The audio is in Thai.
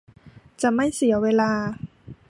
จะไม่เสียเวลา